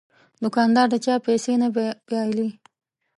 دوکاندار د چا پیسې نه بایلي.